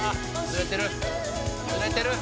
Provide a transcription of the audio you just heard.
ずれてる！」